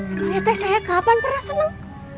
emangnya teh saya kapan pernah senang